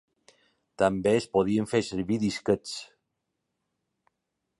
També es podien fer servir disquets.